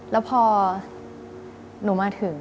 แล้วพอหนูมาถึง